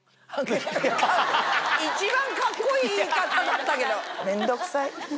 一番カッコいい言い方だったけど「面倒くさい」。